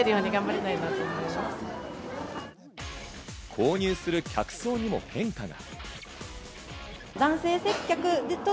購入する客層にも変化が。